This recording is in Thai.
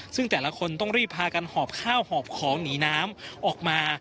ซึ่งแต่ละคนต้องรีบพากันหอบข้าวหอบของหนีน้ำออกมา